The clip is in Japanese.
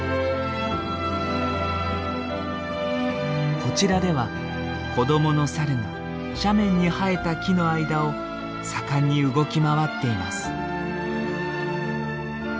こちらでは子供のサルが斜面に生えた木の間を盛んに動き回っています。